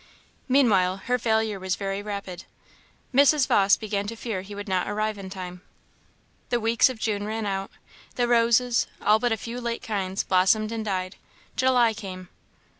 Meanwhile, her failure was very rapid. Mrs. Vawse began to fear he would not arrive in time. The weeks of June ran out; the roses, all but a few late kinds, blossomed and died; July came.